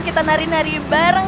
kita berdua bahagia banget